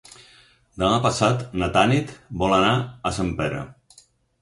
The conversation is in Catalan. Demà passat na Tanit vol anar a Sempere.